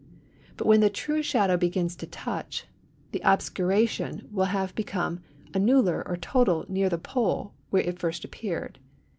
But when the true shadow begins to touch, the obscuration will have become annular or total near the pole where it first appeared.